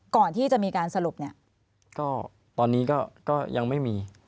ก่อนที่จะมีการสรุปเนี่ยก็ตอนนี้ก็ยังไม่มี